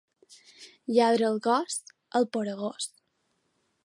Lladra el gos al poregós.